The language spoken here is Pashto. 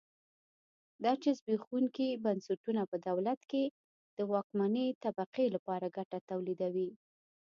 دا چې زبېښونکي بنسټونه په دولت کې د واکمنې طبقې لپاره ګټه تولیدوي.